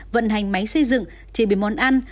vận hành máy xây dựng chế biến món ăn